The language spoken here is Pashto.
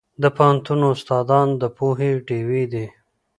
د پوهنتون استادان د پوهې ډیوې دي.